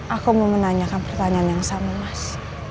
aku mau menanyakan pertanyaan yang sama mas